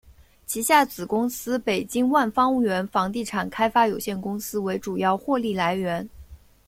旗下子公司北京万方源房地产开发有限公司为主要获利来源。